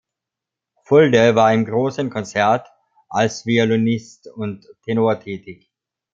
Fulde war im "Großen Konzert" als Violinist und Tenor tätig.